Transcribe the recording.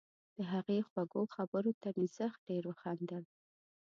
د هغې خوږو خبرو ته مې زښت ډېر وخندل